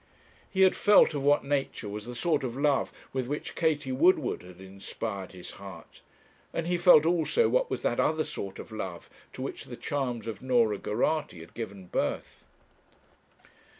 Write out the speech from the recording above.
He had felt of what nature was the sort of love with which Katie Woodward had inspired his heart; and he felt also what was that other sort of love to which the charms of Norah Geraghty had given birth.